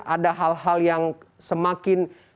ada hal hal yang semakin